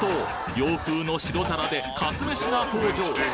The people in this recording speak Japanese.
洋風の白皿でかつめしが登場！